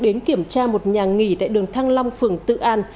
đến kiểm tra một nhà nghỉ tại đường thăng long phường tự an